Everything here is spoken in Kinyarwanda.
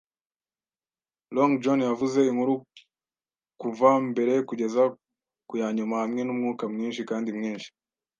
Long John yavuze inkuru kuva mbere kugeza ku ya nyuma, hamwe numwuka mwinshi kandi mwinshi